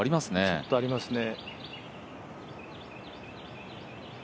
ちょっとありますね。